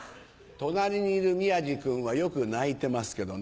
隣にいる宮治君はよく泣いてますけどね。